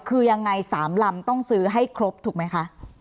คือยังไง๓ลำต้องซื้อให้ครบถูกไหมคะ